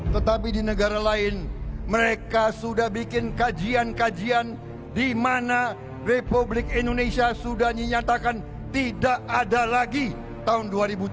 tetapi di negara lain mereka sudah bikin kajian kajian di mana republik indonesia sudah menyatakan tidak ada lagi tahun dua ribu tujuh belas